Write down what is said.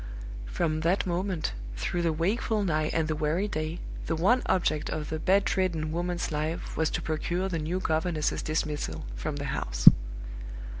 From that moment, through the wakeful night and the weary day, the one object of the bedridden woman's life was to procure the new governess's dismissal from the house.